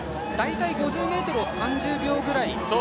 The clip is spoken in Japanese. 大体５０ｍを３０秒ぐらい。